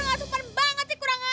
enggak supan banget sih kurang ajar